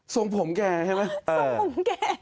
ส่งผมแกใช่ไหม